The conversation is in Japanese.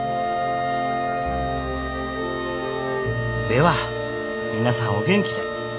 では皆さんお元気で。